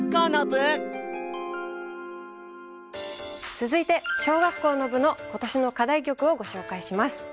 続いて小学校の部の今年の課題曲をご紹介します。